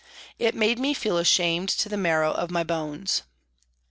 It made me feel ashamed to the marrow of my bones.